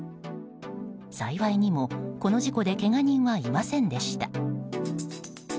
幸いにも、この事故でけが人はいませんでした。